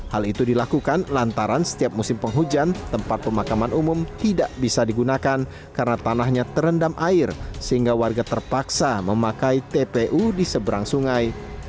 hal itu dilakukan lantaran setiap musim penghujan tempat pemakaman umum tidak bisa digunakan karena tanahnya terendam air sehingga warga terpaksa memakai tpu di seberang sungai